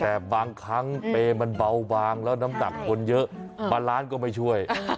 แต่บางครั้งเปย์มันเบาบางแล้วน้ำหนักคนเยอะบางร้านก็ไม่ช่วย